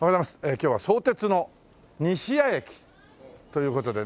今日は相鉄の西谷駅という事でね。